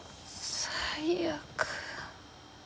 最悪。